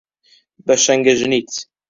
بە شەنگەژنیت